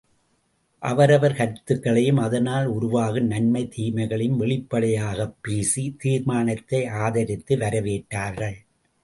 அவரவர் கருத்துக்களையும், அதனால் உருவாகும் நன்மை தீமைகளையும் வெளிப்படையாகப் பேசி, தீர்மானத்தை ஆதரித்து வரவேற்றார்கள்.